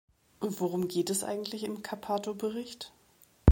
Worum geht es eigentlich im Cappato-Bericht?